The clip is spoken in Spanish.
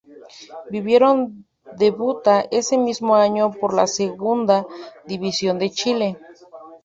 Viveros debuta ese mismo año por la Segunda División de Chile.